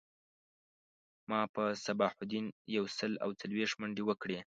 ما په صباح الدین یو سل او څلویښت منډی وکړی